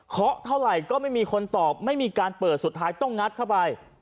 เท่าไหร่ก็ไม่มีคนตอบไม่มีการเปิดสุดท้ายต้องงัดเข้าไป